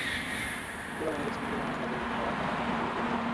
পরিবার মনে করছে, মিন্টুর মনোনয়ন বাতিল হওয়ায় নানা সংশয়-সন্দেহ তৈরি হয়েছে।